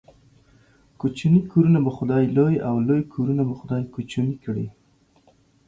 کوچني کورونه به خداى لوى ، او لوى کورونه به خداى کوچني کړي.